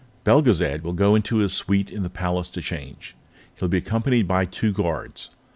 Belgezad will go into his suite in the Palace to change. He'll be accompanied by two guards.